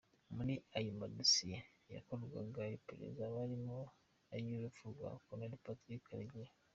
Muri ayo madosiye yakorwagaho iperereza harimo iy’urupfu rwa Col Patrick Karegeya.